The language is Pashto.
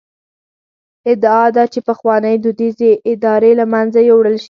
ادعا ده چې پخوانۍ دودیزې ادارې له منځه یووړل شي.